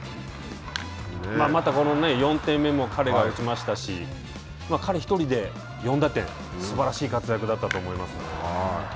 また、この４点目も彼が打ちましたし彼１人で４打点すばらしい活躍だったと思いますね。